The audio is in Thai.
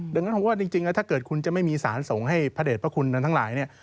ดังนั้นผมว่าจริงถ้าเกิดคุณจะไม่มีศาลสงฆ์ให้พระเด็ดพระคุณนั้นทั้งหลาย